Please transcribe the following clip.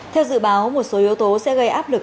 theo dự báo một số yếu tố sẽ gây áp lực